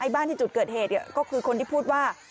บ้านที่จุดเกิดเหตุก็คือคนที่พูดว่า